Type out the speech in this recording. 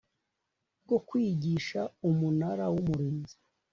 bwo kwigisha Umunara w Umurinzi